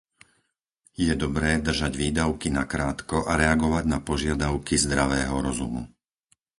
Je dobré držať výdavky nakrátko a reagovať na požiadavky zdravého rozumu.